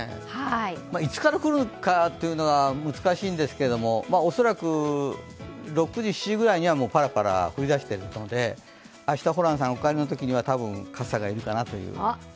いつから降るかというのは難しいんですが恐らく６時、７時ぐらいにはパラパラ降り出しているので、明日、ホランさん、お帰りのときには多分、傘が要るかなという。